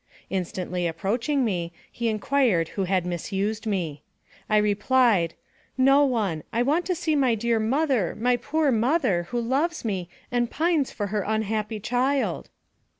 Instantly approaching me, he inquired who had mis used me. I replied, " No one. I want to see my dear mother, my poor mother, who loves me, and pines for her unhappy child."